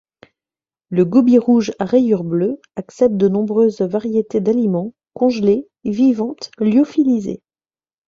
Le gobie rouge à rayures bleues acceptent de nombreuses variétés d'aliments, congelées, vivantes, lyophilisés.